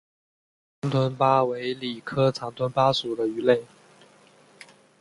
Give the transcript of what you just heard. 长臀鲃为鲤科长臀鲃属的鱼类。